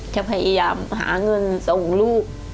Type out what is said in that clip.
จะพยายามหาเงินส่งลูก